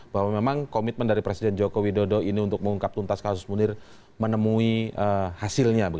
bahwa memang komitmen dari presiden joko widodo ini untuk mengungkap tuntas kasus munir menemui hasilnya